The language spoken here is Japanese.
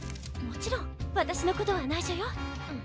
もちろんわたしのことはないしょよ。